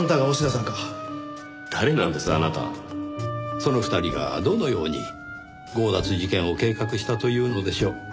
その２人がどのように強奪事件を計画したというのでしょう？